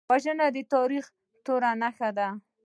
وژنه د تاریخ توره نښه ده